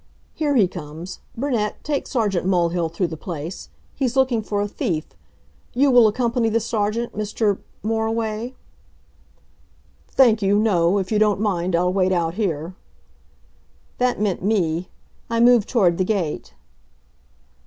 Here he comes... Burnett, take Sergeant Mulhill through the place. He's looking for a thief. You will accompany the Sergeant, Mr. Moriway?" "Thank you no. If you don't mind, I'll wait out here." That meant me. I moved toward the gate.